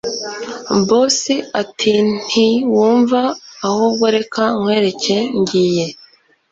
Boss atintiwumva ahubwo reka nkwereke ngiye